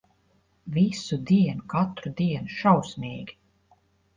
Visu dienu, katru dienu. Šausmīgi.